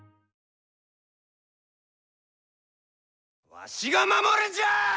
わしが守るんじゃあ！